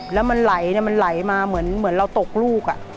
แล้วมันไหลมาเหมือนเราตกลูก